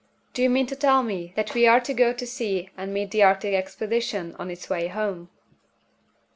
do you mean to tell me that we are to go to sea and meet the Arctic Expedition on its way home?"